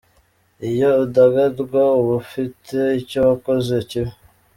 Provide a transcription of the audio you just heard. Iyo udagadwa uba ufitee icyo wakoze kibi